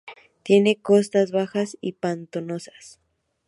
Tiene costas bajas y pantanosas.